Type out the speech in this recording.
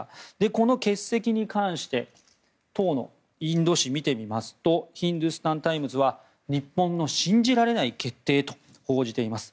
この欠席に関して当のインド紙を見てみますとヒンドゥスタン・タイムズは日本の信じられない決定と報じています。